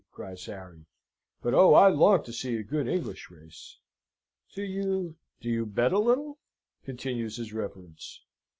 cries Harry; "but oh! I long to see a good English race!" "Do you do you bet a little?" continues his reverence.